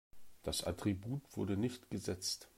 Das Attribut wurde nicht gesetzt.